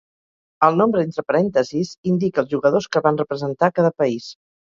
El nombre entre parèntesis indica els jugadors que van representar cada país.